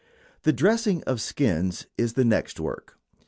The dressing of skins is the next work.